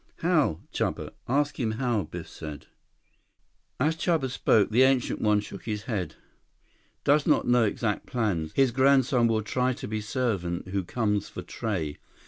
"How, Chuba? Ask him how?" Biff said. As Chuba spoke, the Ancient One shook his head. "Does not know exact plans. His grandson will try to be servant who comes for tray.